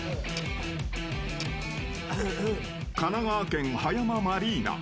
神奈川県葉山マリーナ。